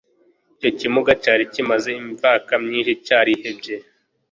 icyo kimuga cyari kimaze imvaka myinshi cyarihebye.